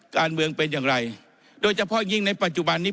การเมืองเป็นอย่างไรโดยเฉพาะยิ่งในปัจจุบันนี้